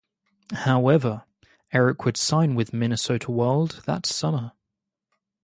However, Eric would sign with the Minnesota Wild that summer.